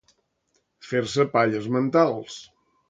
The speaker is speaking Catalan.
Fer-se palles mentals.